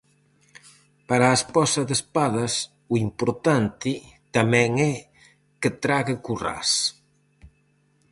Para a esposa de Espadas "o importante" tamén é "que trague Currás".